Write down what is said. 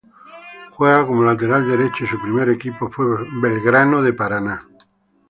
Juega como lateral derecho y su primer equipo fue Belgrano de Paraná.